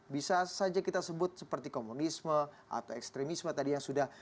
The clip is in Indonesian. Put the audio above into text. bisa saja kita sebut seperti komunisme atau ekstremisme tadi yang sudah